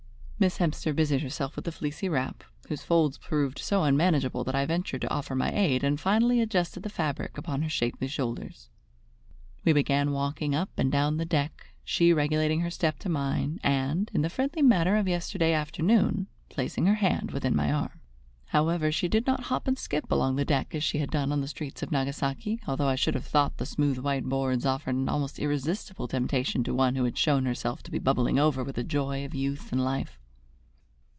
Miss Hemster busied herself with the fleecy wrap, whose folds proved so unmanageable that I ventured to offer my aid and finally adjusted the fabric upon her shapely shoulders. We began walking up and down the deck, she regulating her step to mine, and, in the friendly manner of yesterday afternoon, placing her hand within my arm. However, she did not hop and skip along the deck as she had done on the streets of Nagasaki, although I should have thought the smooth white boards offered an almost irresistible temptation to one who had shown herself to be bubbling over with the joy of youth and life.